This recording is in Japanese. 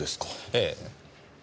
ええ。